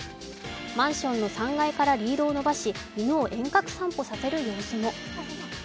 マンションの３階からリードを伸ばし犬を遠隔散歩させる様子も。